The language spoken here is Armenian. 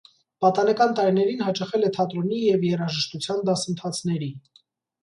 Պատանեկական տարիներին հաճախել է թատրոնի և երաժշտության դասընթացների։